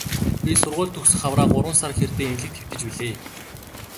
Би сургууль төгсөх хавраа гурван сар хэртэй эмнэлэгт хэвтэж билээ.